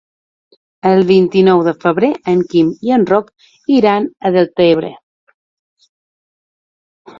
El vint-i-nou de febrer en Quim i en Roc iran a Deltebre.